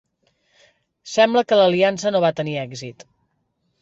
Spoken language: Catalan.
Sembla que l'aliança no va tenir èxit.